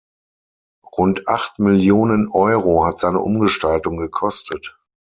Rund acht Millionen Euro hat seine Umgestaltung gekostet.